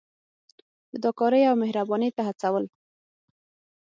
فدا کارۍ او مهربانۍ ته هڅول.